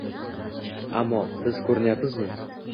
Ammo... biz ko‘ryapmizmi?